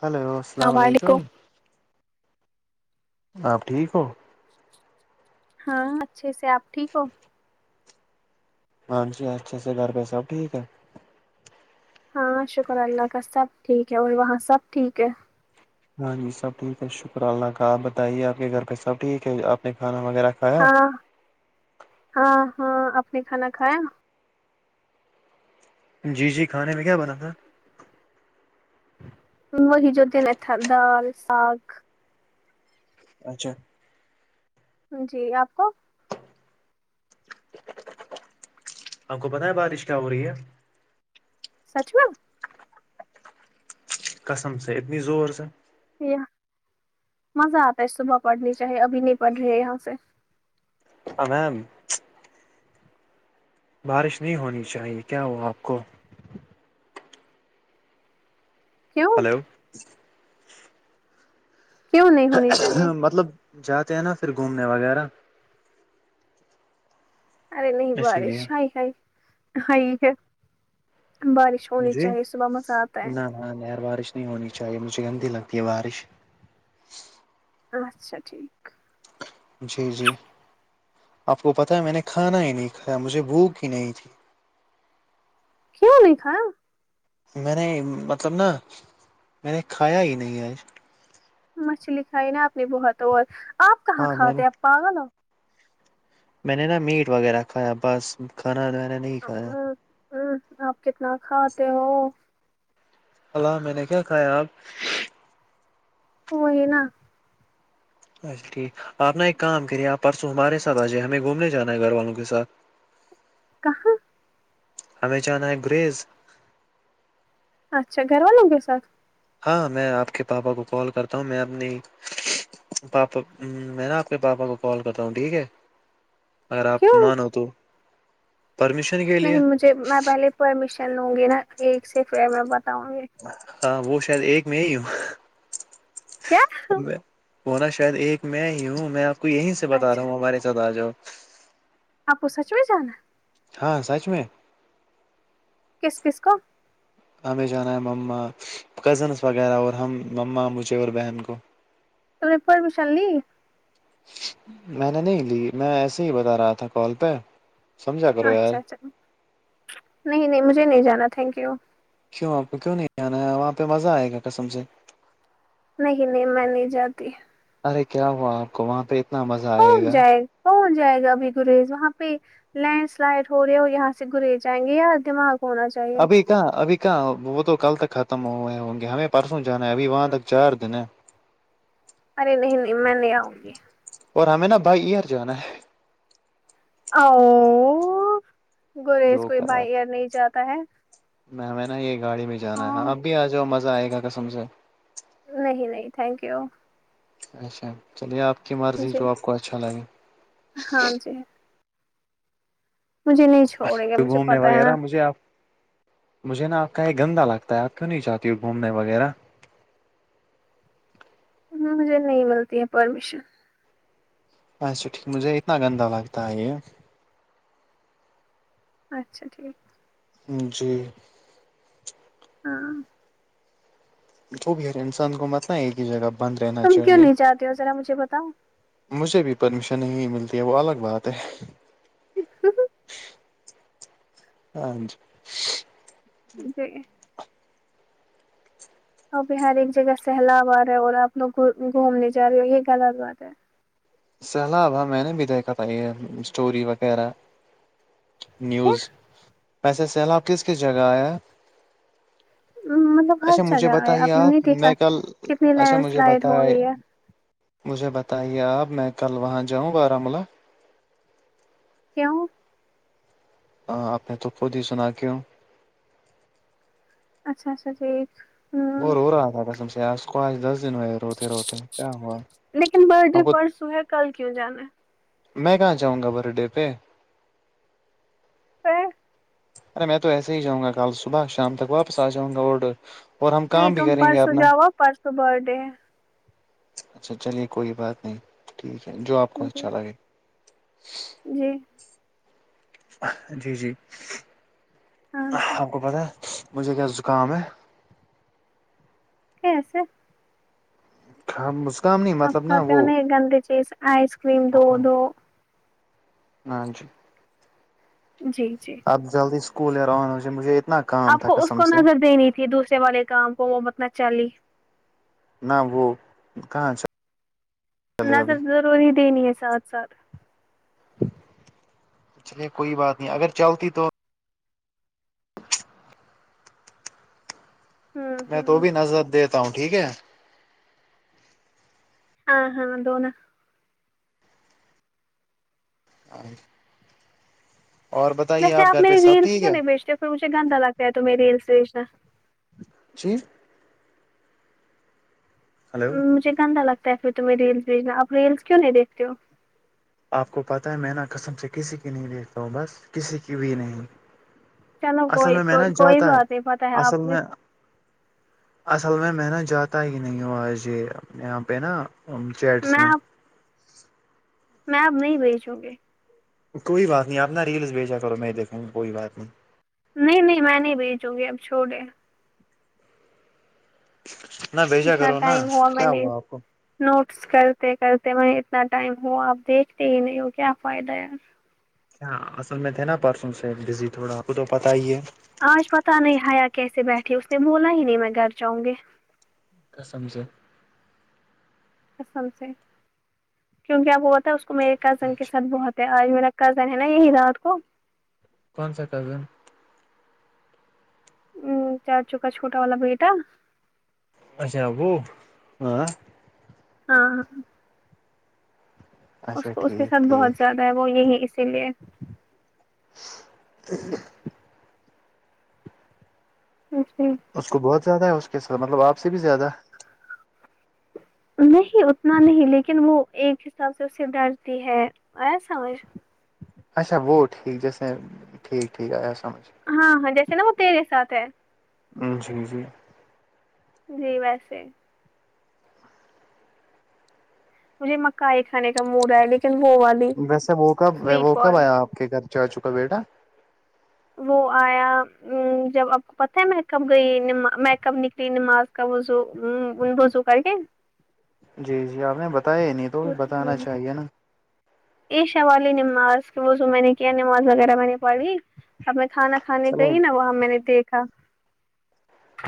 hello السلام علیکم آپ ٹھیک ہو ہاں اچھے سے آپ ٹھیک ہو ہاں جی اچھے سے گھر پہ سب ٹھیک ہے ہاں شکر اللہ کا سب ٹھیک ہے اور وہاں سب ٹھیک ہے ہاں جی سب ٹھیک ہے شکر اللہ کا آپ بتائیے آپ کے گھر پہ سب ٹھیک ہے آپ نے کانا وغیرہ کھایا ہاں ہاں ہاں اپ نے کھانا کھایا جی جی کھانے میں کیا بنا تھا وہ جو تھا دال سگ اچھا جی آپ کو آپ کو پتہ ہے بارش کیا ہو رہی ہے سچ میں قسم سے اتنی زور سے مزہ آتا ہے صبح پڑھنی چاہیے ابھی نہیں پڑھ رہی ہے یہاں سے میم بارش نہیں ہونی چاہیے کیا ہوا آپ کو کیوں ہلو کیوں نہیں ہونی چاہیے مطلب جاتے ہیں نا پھر گھومنے وغیرہ ارے نہیں اسی لیے بارش ہائی ہائی ہائی ہے بارش تڑوی چاہیے صبح مزہ آتا ہے ہاں نہر بارش نہیں ہونی چاہیے مجھے گندی لگتی ہے بارش اچھا ٹھیک جی جی آپ کو پتہ ہے میں نے کھانا ہی نہیں کھایا مجھے بھوک ہی نہیں تھی کیوں نہیں کھایا میں نے مطلب نہ میں نے کھایا ہی نہیں ہے مچھلی کھائی نہ آپ نے بہت اور آپ کہاں ہاں میں نے کھاتے ہو آپ پاگل ہو میں نے نہ میٹ وغیرہ کھایا بس کانا وانا نہیں کھایا ہمم آپ کتنا کھاتے ہو اللہ میں نے کیا کھایا اب وہ ہے نہ اچھا ٹھیک آپ نہ ایک کام کریے آپ پرسوں ہمارے ساتھ آ جائیے ہمیں گھومنے جانا ہے گھر والوں کے ساتھ کہاں ہمیں جانا ہے گریز اچھا گھر والوں کے ساتھ ہاں میں آپ کے بابا کو کال کرتا ہوں میں اپنی پاپا میں نہ آپ کے بابا کو کال کرتا ہوں ٹھیک ہے اگر آپ کیوں مانو تو پرمیشن کے لیے نہیں مجھے میں پہلے پرمیشن لوں گی نہ ایک سے پھر میں بتاؤں گی ہاں وہ شاید ایک میں ہی کیا ورنہ شاید ایک میں ہی ہوں میں آپ کو یہیں سے بتا رہا اچھا ہوں ہمارے ساتھ آ جاؤ آپ کو سچ میں جانا ہاں سچ میں کس کس کو ہمیں جانا ہے مما کزنس وغیرہ اور ہم مما مجھے اور بہن کو تم نے پرمیشن لی میں نے نہیں لی میں ایسے ہی بتا رہا تھا کال پہ سمجھا کرو یار اچھا اچھا نہیں نہیں مجھے نہیں جانا تھینک یو کیوں آپ کو کیوں نہیں جانا وہاں پہ مزہ آئے گا قسم سے نہیں نہیں میں نہیں جاتی ارے کیا ہوا آپ کو وہاں پہ نہ مزہ آئے کون گا جائے کون جائے گا ابھی گریز وہاں پہ لینڈ سلائڈ ہو رہی ہے یہاں سے گریے جائیں گے یا دماغ ہونا چاہیے ابھی کہاں ابھی کہاں وہ تو کل تک ختم ہوئے ہوں گے ہمیں پرسوں جانا ہے ابھی وہاں تک چار دن ہے ارے نہیں نہیں میں نہیں آؤں گی اور ہمیں نہ بائی یئر جانا ہے هوو گوریز جو کوئی کرا بائی ایئر نہیں جاتا ہے میں ہمیں نہ یہ گاڑی میں جانا ہے ہاں آپ بھی آ جاؤ مزہ آئے گا قسم سے نہیں نہیں تھینک یو اچھا چلیے آپ کی مرضی جی جو آپ کو اچھا لگے ہاں جی مجھے نہیں بس چھوڑیں گے تو مجھے گھومنے پتا ہے وغیرہ نا مجھے اب مجھے نہ آپ کا یہ گندا لگتا ہے آپ کیوں نہیں جاہتی ہو گھومنے وغیرہ نا مجھے نہیں ملتی ہے پرمیشن اچھا ٹھیک مجھے اتنا گندا لگتا ہے یہ اچھا ٹھیک ہوں جی ہاں یہ جو بھی ہے انسان کو مطلب ایک ہی جگہ بند رہنا تم کیوں چاہیے نہیں جاتے ہو ذرا مجھے بتاؤ مجھے بھی پرمیشن نہیں ملتی ہے وہ الگ بات ہے [unintelligible] ہاں جی [unintelligible] وہاں پے ہر ایک جگہ سیلاب آ رہا ہے اور آپ لوگ گ گھومنے جا رہے ہو یہ غلط بات ہے سہلاب ہاں میں نے بھی دیکھا تھا یہ اسٹوری وغیرہ کیا نیوز ویسے سیلاب کس کس جگہ آیا مطلب ہر اچھا مجھے جگہ ہے بتائیے نے آپ نہیں دیکھا میں کل کتنی اچھا لینڈ مجھے بت سلائڈ ہو رہی ہے مجھے بتائیے آپ میں کل وہاں جاؤں بارملہ کیوں ا آپ نے تو خود ہی سنا کےآو اچھا اچھا جی ہم وہ رو رہا تھا کسم سے اس کو آج دس دن ہوے روتے روتے کیا ہوا لیکن برتھ ڈے آپ کو پرسو ہے کل کیوں جانا ہے میں کہاں چاہوں گا برتھ ڈے پہ پ ارے میں تو ایسے ہی جؤں گا کل صبح شام تک واپس آ جاؤں گا اور اور ہم نہیں کام بھی تم کریں گے پرسوں اپنا جاؤ پرسوں بر ڈے اچھا چلیے کوئی بات نہیں ٹھیک ہے جو آپ کو جی اچھا لگے جی جی جی ہاں جی آپ کو پتہ ہے مجھے کیا زکام ہے کیسے کھا مسکام نہیں آب مطلب نا خاتے وہ ہوہ گندی چیز آئس کریم دو دو ہاں جی جی جی اب جلدی اسکول ہے رہون سے مجھے اتنا کام آپ تھا کو اس قسم کو سے نظر دینی تھی دوسرے والے کام کو وہ بتنا چالی نہ وہ کہاں چ نظر رور ہی دینی ہے ساتھ ساتھ چلیے کوئی بات نہیں اگر چلتی تو ہوں میں تو ہوں بھی نظر دیتا ہوں ٹھیک ہے ہاں ہاں دنا اور بتائیے آپ ویسےپ گھر پہ میری سب ریلس ٹھیک کیوں ہے نہیں بیچتے پھر مجھے گندا لگتا ہے تو میے ریلس بھیچنا جی ہلو مجھے گندا لگتا ہے پھر تمہیں ریلس بھیجنا ا رلس کیوں نہیں دیکھتے ہو آپ کو پتاہ ہے میں نہا قسم سے کسی کی نہیں دیکھتا ہوں بس کسی کی بھی نہیں چلو اصل کوئی میں کوئی محنت کوئی جاتا ہے بات نہیں پتہ ہے اصل آپ میں اصل میں میں نا جاتا کہ نہیں ہ آج یہ یہاں پہ نا چیٹس میں اب میں آب نہیں بھیجوں گی کوئی بات نہیں آپ نہ ریلس بھیجا کرو میں دیکھوں گا کوئی بات نہیں نہیں نہیں میں نہیں بھیجوں گی اب چھوڑے نہ بیچا اتنا کرو نا ٹائم میں کیا نے ہوا آپ کو نوٹس کرتے کرتے وہیں اتنا ٹائم ہو آپ دیکھتے ہی نہیں ہو کیا فائدہ ہے کیا اصل میں تھے نا پرسوں سے بزی تھوڑا وہ تو پتا ہی ہے آج پت نہیں آیا کیسے بیٹھی اس نے بولا ہی نہیں میں گھر جاؤں گی کسم سے سم سے کیونکہ آپ ہوتا اس کو میرے کزن کے ساتھ بہت آج میرا کزن ہے نا یہی رات کو کون سا کزن ا چا چوکا چھوٹا والا بیٹا اچھا وہ ہاں ہاں ہاں اس اچھا کو اس کے ساتھ ٹھیک ٹھیک بہت زیادہ ہے وہ یہی اسی لیے [unintelligible] [unintelligible] اس کو بہت زیادہ ہے اس کے سب مطلب آپ سے بھی زیادہ نہیں اتنا نہیں لیکن وہ ایک حساب سے اسے ڈرتی ہے ایا سمجھ اچھا وہ ٹھیک جیسے ٹھیک ٹھیک آیا سمجھ ہاں ہاں جیسے نا وہ تیرے ساتھ ہے ہ جی جی جی ویسے مجھے مکائی کھے کا موڈ آ ہے لیکن وہ ویسے وہ کب سویٹ وہ کب کارن آیا آپ کے گھر چا چو کا بیٹا وہ آیا ام جب آپ کو پتاہ ہے میں کب گئی میں کب نکلی نماز کا وضو ہوں وضو کر کے جی جی آپ نے بتایا ہی نہیں تو بتانا چاہیے نا [unintelligible] ایشہ والی نماز وضو میں نے کیا نماز وغیرہ مےنے پڑی اب میں کھانا کھانے چلے گئی نہ وہاں میں نے دیکھا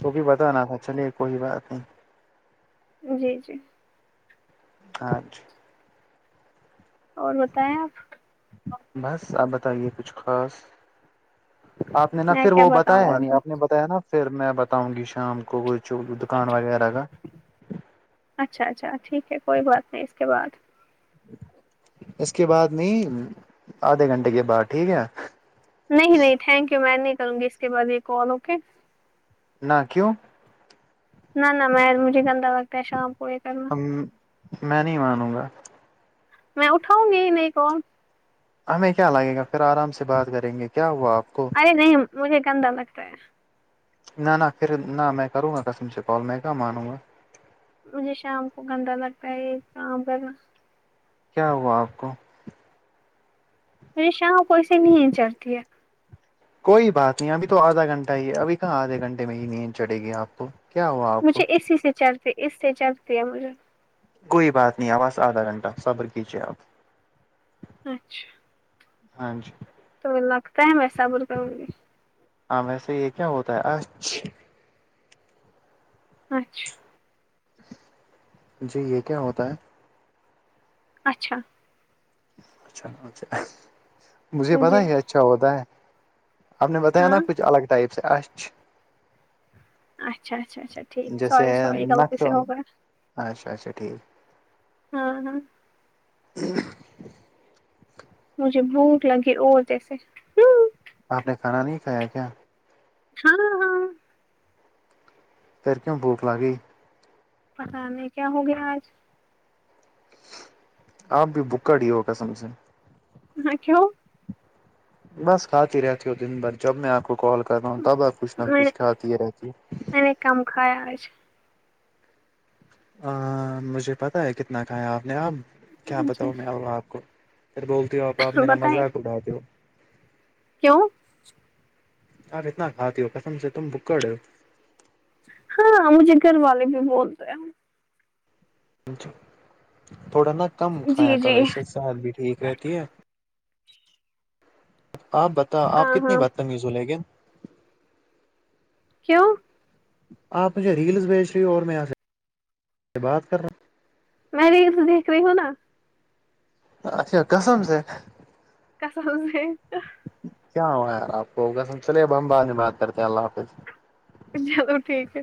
تو بھی بتانا تھا چلیے کوئی بات نہیں جی جی [unintelligible] اور بتائیں آپ بس آپ بتائیے کچھ خاص آپ نے نا میں پھر کیا وہ بتاؤں بتایا ہے اور نہیں آپ نے بتایا نا پھر میں بتاؤں گی شام کو جو بھی دکان وغیرہ کا اچھا اچھا ٹھیک ہے کوئی بات نہیں اس کے بعد اس کے بعد نہیں آدھے گھنٹے کے بعد ٹھیک ہے نہیں نہیں تھینک یو میں نہیں کروں گی اس کے بعد یہ کال اوکے نہ کیوں نہ نہ م مجے گندا لگتا ہے شام کو یے کرنا میں نہیں مانوں گا میں اٹھاؤں گی ہی نہیں فون ہمیں کیا لگے گا پھر آرام سے بات کریں گے کیا ہوا آپ کو نہیں نہیں مجھے گندا لگتا ہے نہ نہ پھر نہ میں کروں گا کسم سے کال میں کیا مانوں گا مجھے شام کو گندا لگتا ہے یے کام کر نا کیا ہوا آپ کو پھر شام کو ایسی نہیں چڑتی ہے کوئی بات نہیں اب تو آدھا گھنٹہ ہی ہے ابھی کہاں آدھے گھنٹے میں ہی نیند چڑے گی آپ کو کیا ہوا آپ کو مجھے اسی سے چل تے اس سے چل پیا مجھے کوئی بات نہیں اور بس آدھا گھنٹہ صبر کیجے آپ اچھا ہاں جی تمہے لگتا ہے میں صبر کروں گی ہاں ویسے یہ کیا ہوتا ہے اچھا اچھا جی یہ کیا ہوتا ہے اچھا اچھا اچ مجھے پتا جی ہی یہ اچھا ہوتا ہے آپ نے بتایا ہاں نا کچھ الگ ٹائپ سے اچھ اچھا اچھا اچھا ٹھیک جیسے سوری سوری غلطی نخل سے ہوگیا اچھا اچھا ٹھیک ہاں ہاں [inaudible] مجھے بھوک لگی اور جیسے آپ نے کھانا نہیں کھایا کیا ہاں ہاں پھر کیوں بھوک لگی پتا نہیں کیا ہو گیا آج آپ بھی بھوکڑ ہی ہو قسم سے میں کیوں بس کھاتی رہتی ہو دن بھر جب میں آپ کو کال کر رہا ہوں تب آپ کچھ نہ میں نے کچھ کھاتی ہی رہتی ہے میں نے کم کھایا آج ا مجھے پتا ہے کتنا کھایا آپ نے اب کیا جی بتاؤ میں آپ کو پھر بولتے ہو آپ آپ میرا بتائیں مذاق اڑاتے ہو کیوں آپ اتنا کھاتی ہو قسم سے تم بھوکڈ ہو ہاں مجھے گھر والے بھی بولتےہیں تھوڑا نا کم جی کھایا جی کرو اس سے صحت بھی ٹھیک رہتی ہے آپ بتاوآپ ہاں کتنی ہاں بد تمیز ہو لیکن کیوں آپ مجھے ریلز بھیج رہی ہو اور میں یہاں سے سے بات کر رہا ہوں میں ریلز دیکھ رہی ہوں نا اچھا قسم سے قسم سے کیا ہوا یار آپ کو ہوگا چلے اب ہم بعد میں بات کرتے ہیں اللہ حافظ چلو ٹھیک ہے